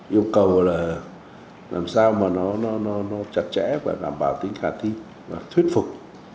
yêu cầu là làm sao mà nó chặt chẽ và bảo đảm tính khả thi và thuyết phục